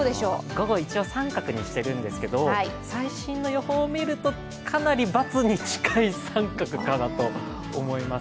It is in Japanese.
午後一応△にしているんですけど、最新の予報を見るとかなり×に近い△かなと思います。